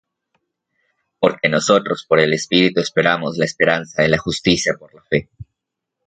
Porque nosotros por el Espíritu esperamos la esperanza de la justicia por la fe.